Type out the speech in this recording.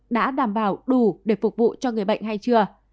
đã đảm bảo đủ để phục vụ cho người bệnh hay chưa